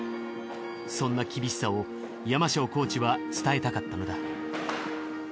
そんな厳しさをＹＡＭＡＳＨＯコーチは伝えたかったのだ。